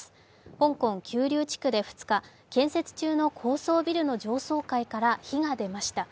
香港・九龍地区で２日、建設中の高層ビルの上層階から火が出ました。